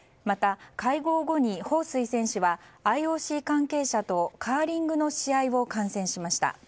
また、会合後にホウ・スイ選手はＩＯＣ関係者とカーリングの試合を観戦しました。